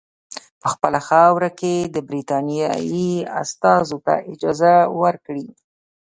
په خپله خاوره کې د برټانیې استازو ته اجازه ورکړي.